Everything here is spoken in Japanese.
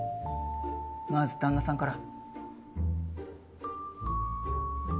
まず旦那さんから。